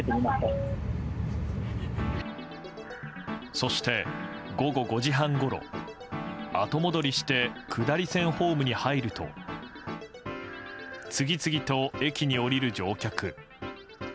そして、午後５時半ごろ後戻りして下り線ホームに入ると次々と駅に降りる乗客。